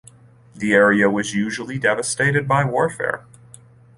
The area was usually devastated by the warfare.